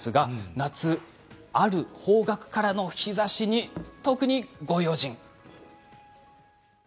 夏はある方角からの日ざしに特にご用心です。